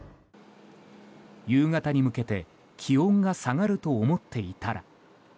夕方に向けて気温が下がると思っていたら。